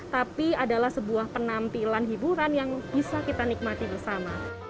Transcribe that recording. tapi adalah sebuah penampilan hiburan yang bisa kita nikmati bersama